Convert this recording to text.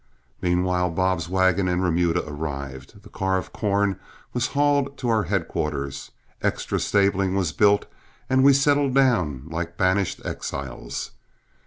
Meanwhile Bob's wagon and remuda arrived, the car of corn was hauled to our headquarters, extra stabling was built, and we settled down like banished exiles.